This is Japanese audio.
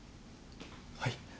はい。